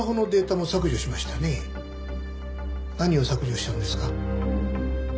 何を削除したんですか？